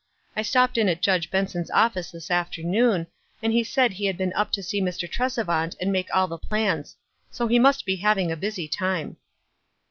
I stopped in at Judge Ben son's office this afternoon, and he said he had been up to sec Mr. Trcsevant and make all the plans. So he must be having a busy time."